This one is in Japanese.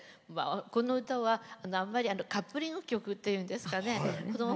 この歌は、あんまりカップリング曲っていうんですかね。